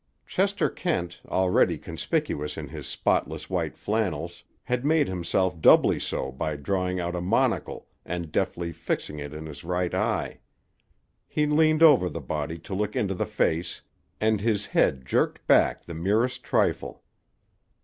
Chester Kent, already conspicuous in his spotless white flannels, had made himself doubly so by drawing out a monocle and deftly fixing it in his right eye. He leaned over the body to look into the face, and his head jerked back the merest trifle.